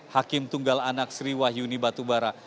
hakim tunggal anak sri wahyuni batubara